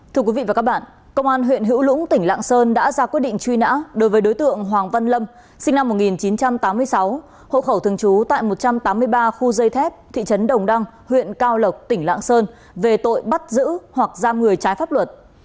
thưa quý vị và các bạn công an huyện hữu lũng tỉnh lạng sơn đã ra quyết định truy nã đối với đối tượng hoàng văn lâm sinh năm một nghìn chín trăm tám mươi sáu hộ khẩu thường trú tại một trăm tám mươi ba khu dây thép thị trấn đồng đăng huyện cao lộc tỉnh lạng sơn về tội bắt giữ hoặc giam người trái pháp luật